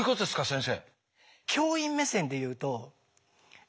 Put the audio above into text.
先生。